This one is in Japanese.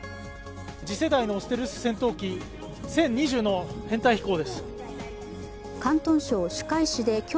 次世代のステルス戦闘機殲２０の編隊飛行です。